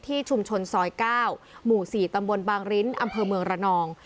ชุมชนซอย๙หมู่๔ตำบลบางริ้นอำเภอเมืองระนอง